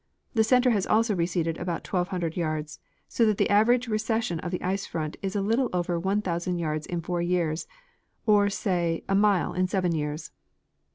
The center also has receded about 1,200 yards, so that the average recession of the ice front is a little over 1,000 yards in four years or, say, a mile in seven years.